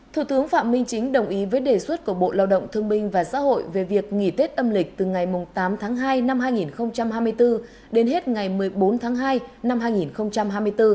thủ tướng phạm minh chính đồng ý với đề xuất của bộ lao động thương binh và xã hội về việc nghỉ tết âm lịch từ ngày tám tháng hai năm hai nghìn hai mươi bốn đến hết ngày một mươi bốn tháng hai năm hai nghìn hai mươi bốn